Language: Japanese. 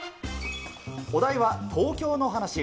お題は、東京の話。